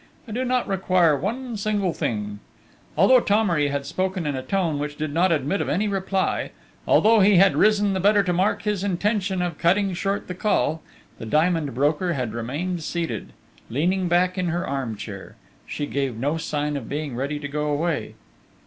I do not require one single thing...." Although Thomery had spoken in a tone which did not admit of any reply, although he had risen the better to mark his intention of cutting short the call, the diamond broker had remained seated, leaning back in her arm chair.... She gave no sign of being ready to go away.